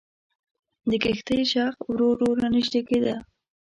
د کښتۍ ږغ ورو ورو را نژدې کېده.